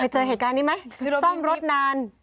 เจอเหตุการณ์นี้ไหมซ่อมรถนาน